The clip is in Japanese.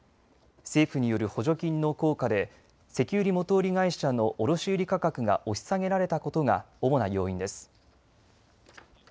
政府による補助金の効果で石油元売り会社の卸売価格が押し下げられたことが主な要因です。